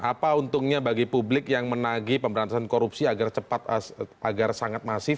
apa untungnya bagi publik yang menagi pemberantasan korupsi agar cepat agar sangat masif